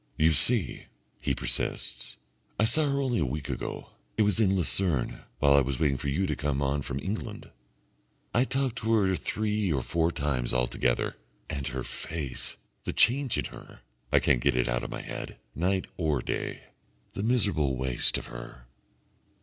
"You see," he persists, "I saw her only a week ago. It was in Lucerne, while I was waiting for you to come on from England. I talked to her three or four times altogether. And her face the change in her! I can't get it out of my head night or day. The miserable waste of her...."